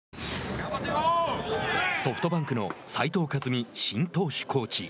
ソフトバンクの斉藤和巳新投手コーチ。